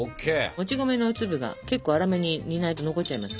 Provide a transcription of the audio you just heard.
もち米の粒が結構粗めに煮ないと残っちゃいますから。